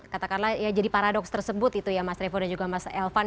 katakanlah ya jadi paradoks tersebut itu ya mas revo dan juga mas elvan